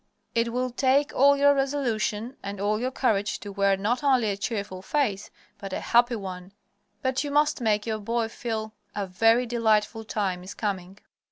It will take all your resolution and all your courage to wear not only a cheerful face, but a happy one; but you must make your boy feel that a very delightful time is coming.